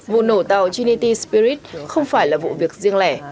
vụ nổ tàu trinity spirit không phải là vụ việc riêng lẻ